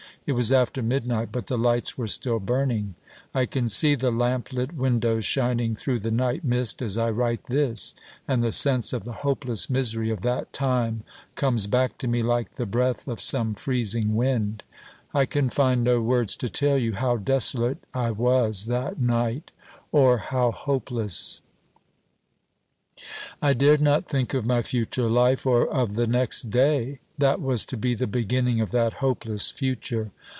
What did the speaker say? It was after midnight, but the lights were still burning: I can see the lamplit windows shining through the night mist as I write this, and the sense of the hopeless misery of that time comes back to me like the breath of some freezing wind. I can find no words to tell you how desolate I was that night, or how hopeless. I dared not think of my future life; or of the next day, that was to be the beginning of that hopeless future.